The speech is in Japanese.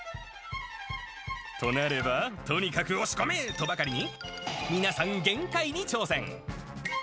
となれば、とにかく押し込め！とばかりに、皆さん、限界に挑戦。